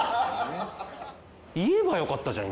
言えばよかったじゃん